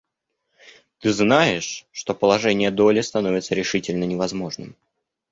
Ты знаешь, что положение Долли становится решительно невозможным?